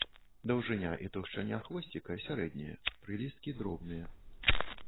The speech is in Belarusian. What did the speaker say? Даўжыня і таўшчыня хвосціка сярэднія, прылісткі дробныя.